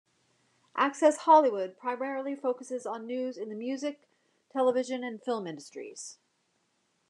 "Access Hollywood" primarily focuses on news in the music, television, and film industries.